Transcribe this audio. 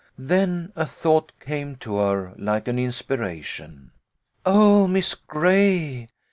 Then a thought came to her like an inspiration. " Oh, Miss Gray